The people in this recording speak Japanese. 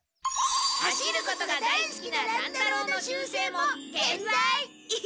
走ることが大すきな乱太郎の習せいもけんざい！